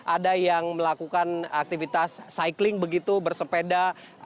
ada yang melakukan aktivitas cycling begitu bersepeda